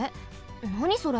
なにそれ？